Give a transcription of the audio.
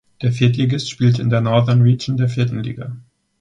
Der Viertligist spielte in der Northern Region der vierten Liga.